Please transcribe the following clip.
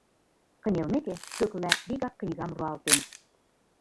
Кынелмеке, Пӧкла вигак книгам руалтен.